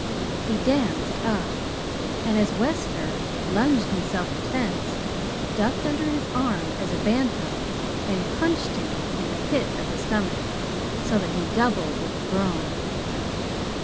He danced up, and as Wessner lunged in self defense, ducked under his arm as a bantam and punched him in the pit of the stomach so that he doubled with a groan.